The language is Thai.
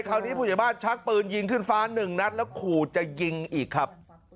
ผู้ใหญ่บ้านชักปืนยิงขึ้นฟ้าหนึ่งนัดแล้วขู่จะยิงอีกครับ